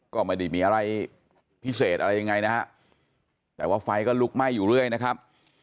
ก็ไม่ได้มีอะไรพิเศษอะไรยังไงนะฮะแต่ว่าไฟก็ลุกไหม้อยู่เรื่อยนะครับ